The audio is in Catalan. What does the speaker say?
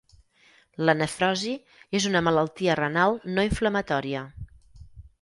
La nefrosi és una malaltia renal no inflamatòria.